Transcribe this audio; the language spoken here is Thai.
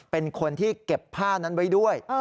เป็นคนที่เก็บผ้านั้นไว้ด้วย